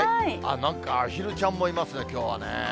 なんかアヒルちゃんもいますね、きょうはね。